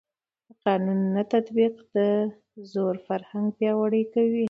د قانون نه تطبیق د زور فرهنګ پیاوړی کوي